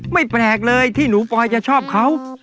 แปลกเลยที่หนูปอยจะชอบเขา